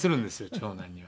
長男には。